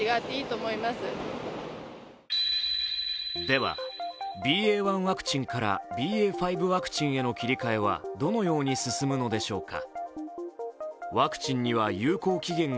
では、ＢＡ．１ワクチンからＢＡ．５ワクチンへの切り替えはどのように進むのでしょうか。